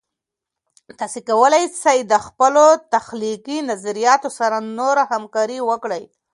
تاسې کولای سئ د خپلو تخلیقي نظریاتو سره نور همکارۍ وکړئ.